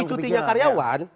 seti cutinya karyawan